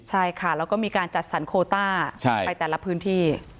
ใช่ค่ะแล้วก็มีการจัดสรรโคต้าไปแต่ละพื้นที่